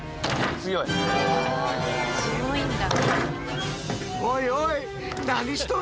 強いんだ？